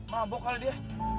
mabok kalau dia